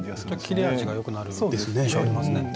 切れ味がよくなる印象ありますね。